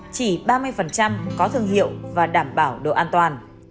chỉ ba mươi có thường hiệu và đảm bảo đồ an toàn